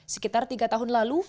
sekitar tiga tahun lalu